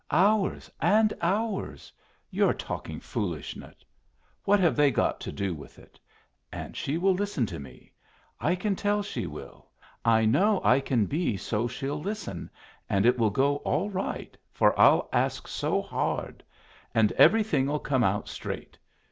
"Hours and hours! You're talking foolishness! What have they got to do with it? And she will listen to me. I can tell she will. I know I can be so she'll listen, and it will go all right, for I'll ask so hard. And everything'll come out straight.